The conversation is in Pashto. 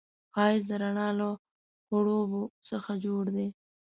ښایست د رڼا له خړوبو نه جوړ دی